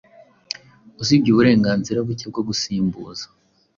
Usibye uburenganzira buke bwo gusimbuza